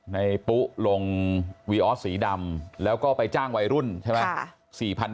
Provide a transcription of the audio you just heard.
ปุ๊ลงวีออสสีดำแล้วก็ไปจ้างวัยรุ่นใช่ไหม